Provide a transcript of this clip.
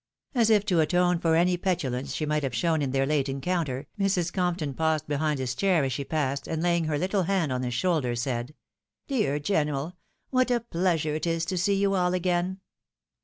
As if to atone for any petulance she might have shown in their late encounter, Mrs. Compton paused behind his chair as she passed, and laying her little hand on his shoulder, said " Dear general !— ^what a pleasm e it is to see you aU again